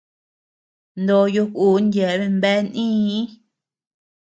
Noyo kun yeabean bea nïi.